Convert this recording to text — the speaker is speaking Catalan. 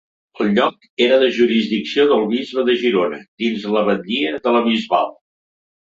El lloc era de jurisdicció del bisbe de Girona, dins la batllia de la Bisbal.